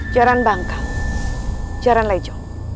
jalan bangka jalan lejong